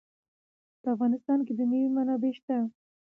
په افغانستان کې د مېوې منابع شته.